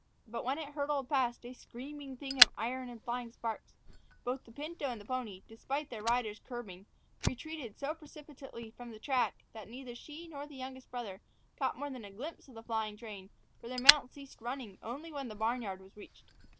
But when it hurtled past, a screaming thing of iron and flying sparks, both the pinto and the pony, despite their riders' curbing, retreated so precipitately from the track that neither she nor the youngest brother caught more than a glimpse of the flying train, for their mounts ceased running only when the barn yard was reached.